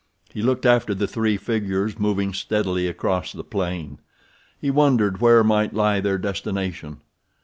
He looked after the three figures moving steadily across the plain. He wondered where might lie their destination.